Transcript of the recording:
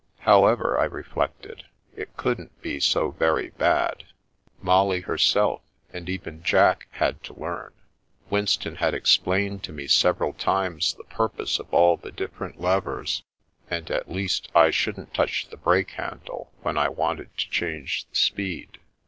However, I reflected, it couldn't be so very bad. Molly herself, and even Jack, had to learn. Winston had explained to me several times the purpose of all the different levers, and, at least, I shouldn't touch the brake handle when I wanted to change the speed.